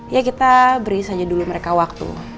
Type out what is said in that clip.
ya kita beri saja dulu mereka waktu